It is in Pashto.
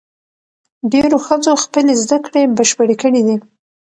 ډېرو ښځو خپلې زدهکړې بشپړې کړې دي.